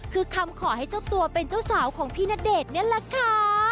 คือคำขอให้เจ้าตัวเป็นเจ้าสาวของพี่ณเดชน์นี่แหละค่ะ